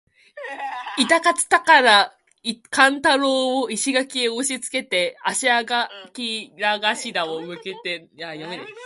痛かつたから勘太郎を垣根へ押しつけて置いて、足搦あしがらをかけて向へ斃してやつた。